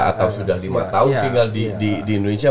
atau sudah lima tahun tinggal di indonesia